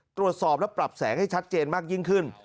ตรวจสอบและปรับแสงให้ชัดเจนมากยิ่งขึ้น